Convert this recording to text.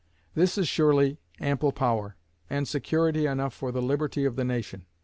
This is surely ample power, and security enough for the liberty of the nation.